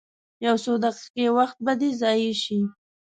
یو څو دقیقې وخت به دې ضایع شي.